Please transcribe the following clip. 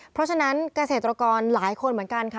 เพราะฉะนั้นเกษตรกรหลายคนเหมือนกันค่ะ